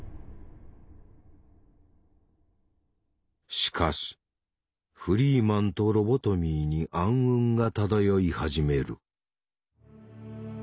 しかしフリーマンとロボトミーに暗雲が漂い始める。